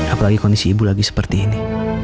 apalagi kondisi ibu lagi seperti ini